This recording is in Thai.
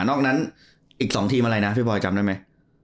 นอกนั้นอีก๒ทีมอะไรนะพี่บอยจำได้ไหม